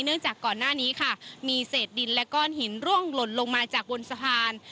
จากก่อนหน้านี้ค่ะมีเศษดินและก้อนหินร่วงหล่นลงมาจากบนสะพาน